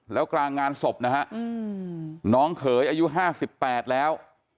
แล้วกลางงานศพนะฮะอืมน้องเขยอายุห้าสิบแปดแล้ว